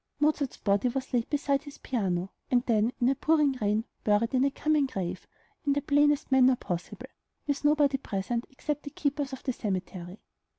Mozart's body was laid beside his piano, and then, in a pouring rain, buried in a "common grave," in the plainest manner possible, with nobody present except the keepers of the cemetery.